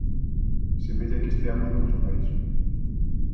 Semella que esteamos noutro país.